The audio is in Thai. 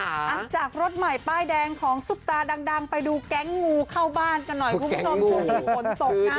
อักจากรถใหม่ป้ายแดงของสุตาดังไปดูแก๊งงูเข้าบ้านกันหน่อยคุณผู้ชม